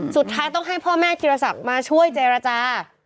สุดท้ายต้องให้พ่อแม่ธีรศักดิ์มาช่วยเจรจา